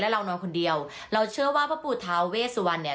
เรานอนคนเดียวเราเชื่อว่าพระปูทาเวสวรรณเนี่ย